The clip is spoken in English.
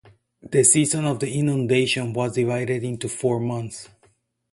The Season of the Inundation was divided into four months.